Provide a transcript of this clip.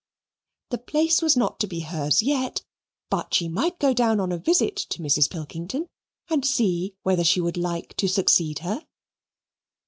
The place was not to be hers yet, but she might go down on a visit to Mrs. Pilkington and see whether she would like to succeed her.